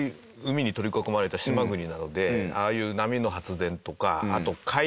海に取り囲まれた島国なのでああいう波の発電とかあと海流を使った発電。